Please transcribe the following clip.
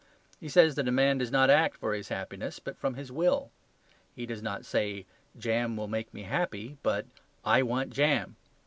He says that a man does not act for his happiness, but from his will. He does not say, "Jam will make me happy," but "I want jam."